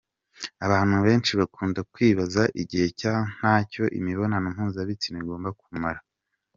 Abantu benshi bakunda kwibaza igihe cya nyacyo imibonano mpuzabitsina igomba kumara.